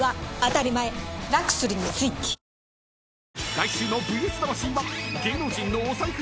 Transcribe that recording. ［来週の『ＶＳ魂』は］